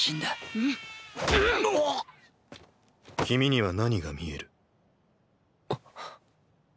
君には何が見える？あっ。